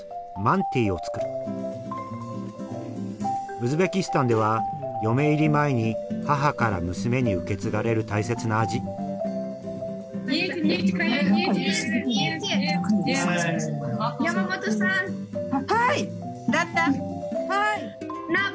ウズベキスタンでは嫁入り前に母から娘に受け継がれる大切な味はい！